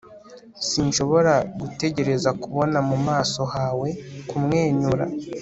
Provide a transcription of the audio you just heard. sinshobora gutegereza kubona mu maso hawe kumwenyura